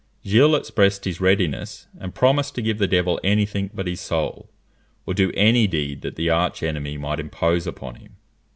Gilles expressed his readiness, and promised to give the devil any thing but his soul, or do any deed that the arch enemy might impose upon him.